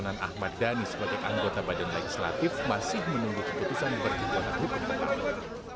dan calonan ahmad dhani sebagai anggota badan legislatif masih menunggu keputusan berhubungan